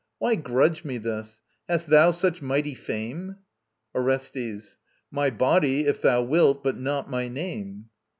Why grudge me this? Hast thou such mighty fame? ORESTES. My body, if thou wilt, but not my name.